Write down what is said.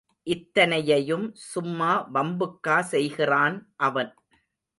இத்தனையையும் சும்மா வம்புக்கா செய்கிறான் அவன்.